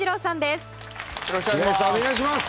よろしくお願いします。